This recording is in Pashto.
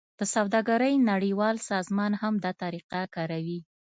د سوداګرۍ نړیوال سازمان هم دا طریقه کاروي